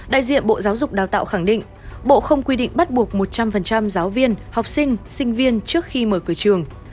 đại diện bộ giáo dục đào tạo khẳng định bộ không quy định bắt buộc một trăm linh giáo viên học sinh sinh viên trước khi mở cửa trường